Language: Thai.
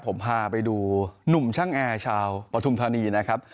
ผมพาไปดูหนุ่มช่างแอร์ชาวปฐุมธานีนะครับ